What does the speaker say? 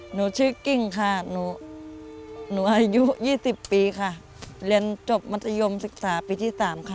หนูชื่อกิ้งค่ะหนูอายุ๒๐ปีค่ะเรียนจบมัธยมศึกษาปีที่๓ค่ะ